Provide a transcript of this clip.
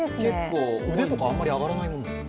腕とかあまり上がらないものですか？